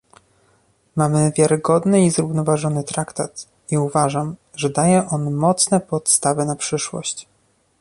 Mamy wiarygodny i zrównoważony traktat i uważam, że daje on mocne podstawy na przyszłość